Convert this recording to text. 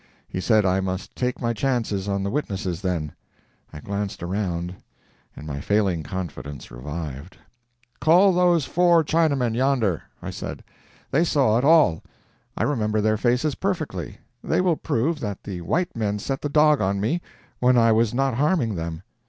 He said I must take my chances on the witnesses then. I glanced around, and my failing confidence revived. "Call those four Chinamen yonder," I said. "They saw it all. I remember their faces perfectly. They will prove that the white men set the dog on me when I was not harming them."